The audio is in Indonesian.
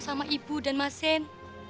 sama ibu dan mas zen